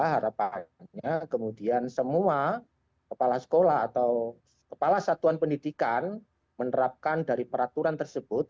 harapannya kemudian semua kepala sekolah atau kepala satuan pendidikan menerapkan dari peraturan tersebut